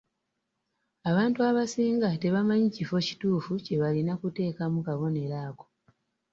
Abantu abasinga tebamanyi kifo kituufu kye balina kuteekamu kabonero ako.